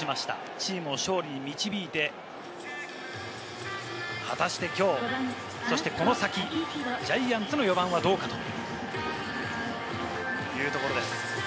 チームを勝利に導いて、果たしてきょう、そしてこの先、ジャイアンツの４番はどうかというところです。